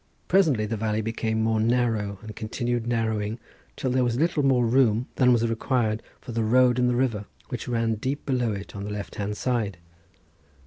Presently the valley became more narrow, and continued narrowing till there was little more room than was required for the road and the river, which ran deep below it on the left hand side.